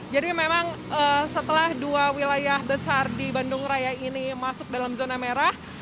jadi memang setelah dua wilayah besar di bandung raya ini masuk dalam zona merah